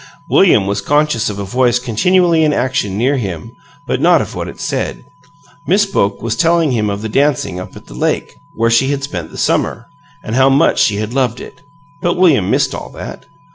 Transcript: William was conscious of a voice continually in action near him, but not of what it said. Miss Boke was telling him of the dancing "up at the lake" where she had spent the summer, and how much she had loved it, but William missed all that.